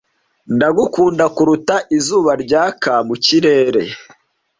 Ndagukunda kuruta izuba ryaka mukirere